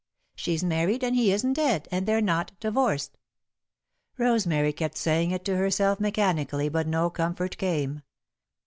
She's married and he isn't dead, and they're not divorced." Rosemary kept saying it to herself mechanically, but no comfort came.